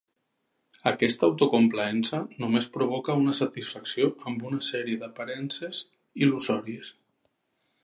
Aquesta autocomplaença només provoca una satisfacció amb una sèrie d'aparences il·lusòries.